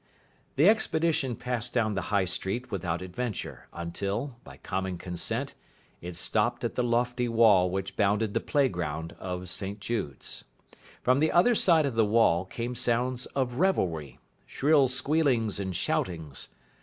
The expedition passed down the High Street without adventure, until, by common consent, it stopped at the lofty wall which bounded the playground of St Jude's. From the other side of the wall came sounds of revelry, shrill squealings and shoutings.